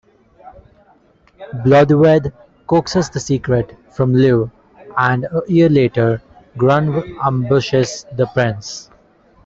Blodeuwedd coaxes the secret from Lleu and a year later, Gronw ambushes the prince.